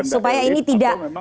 supaya ini tidak